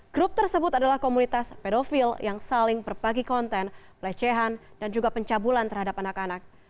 grup tersebut adalah komunitas pedofil yang saling berbagi konten pelecehan dan juga pencabulan terhadap anak anak